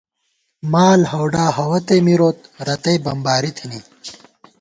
مال ہوڈا ہوَتے مِروت ، رتئ بَمباری تھنی